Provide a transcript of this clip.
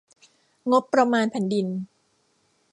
งบประมาณแผ่นดิน